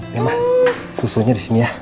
nih ma susunya disini ya